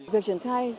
được truyền thay